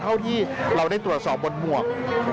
เท่าที่เราได้ตรวจสอบบนหมวก